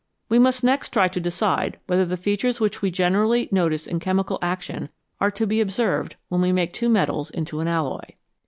We must next try to decide whether the features which we generally notice in chemical action are to be observed when we make two metals into an alloy.